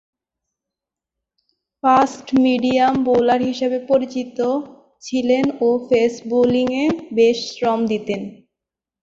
Fast-medium bowler হিসেবে পরিচিত ছিলেন ও পেস বোলিংয়ে বেশ শ্রম দিতেন।